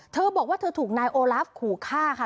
เธอบอกว่าเธอถูกนายโอลาฟขู่ฆ่าค่ะ